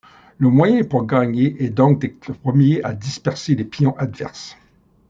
Le moyen pour gagner est donc d'être le premier à disperser les pions adverses.